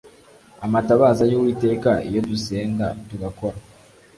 Amatabaza yuwiteka iyo dusenda tugakora